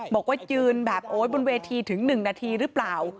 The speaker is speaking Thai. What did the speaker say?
บอกว่ายืนแบบโอ๊ยบนเวทีถึง๑นาทีหรือเปล่า